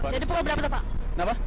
dari pukul berapa pak